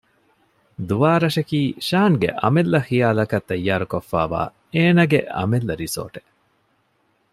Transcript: ދުވާރަށަކީ ޝާންގެ އަމިއްލަ ޚިޔާލަކަށް ތައްޔާރުކޮށްފައިވާ އޭނާގެ އަމިއްލަ ރިސޯރޓެއް